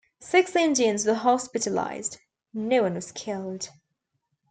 Six Indians were hospitalized; no one was killed.